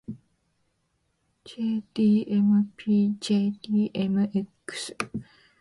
jdmpjdmx